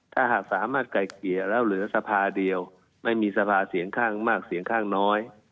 ถ้าหากสามารถไกลเกลี่ยแล้วเหลือสภาเดียวไม่มีสภาเสียงข้างมากเสียงข้างน้อย